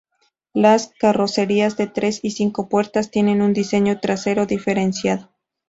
Las carrocerías de tres y cinco puertas tienen un diseño trasero diferenciado.